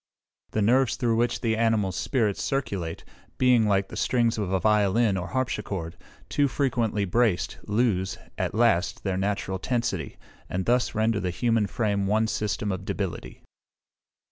The nerves through which the animal spirits circulate being, like the strings of a violin or harpsichord, too frequently braced, lose, at last, their natural tensity, and thus render the human frame one system of debility.